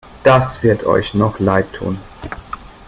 Das wird euch noch leid tun!